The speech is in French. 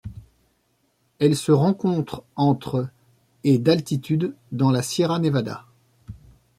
Elle se rencontre entre et d'altitude dans la Sierra Nevada.